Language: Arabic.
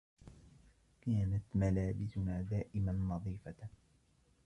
كانت ملابسنا دائما نظيفة.